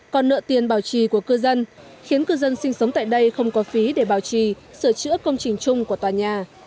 còn nợ tiền bảo trì của cư dân khiến cư dân sinh sống tại đây không có phí để bảo trì sửa chữa công trình chung của tòa nhà